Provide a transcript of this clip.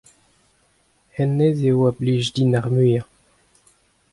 hennezh eo a blij din ar muiañ.